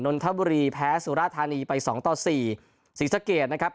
นทบุรีแพ้สุราธานีไปสองต่อสี่ศรีสะเกดนะครับ